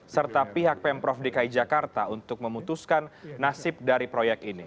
serta pihak pemprov dki jakarta untuk memutuskan nasib dari proyek ini